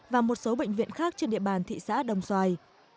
và một số bệnh viện khác trên địa bàn thị xã đồng xoài